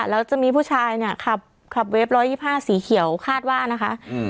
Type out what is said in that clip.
แล้วจะมีผู้ชายเนี่ยขับขับเวฟร้อยยี่ห้าสีเขียวคาดว่านะคะอืม